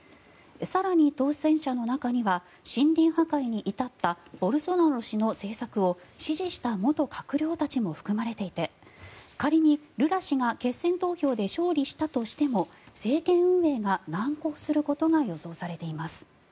更に、当選者の中には森林破壊に至ったボルソナロ氏の政策を支持した元閣僚たちも含まれていて仮にルラ氏が決選投票で勝利したとしても政権運営が難航することが予想されています。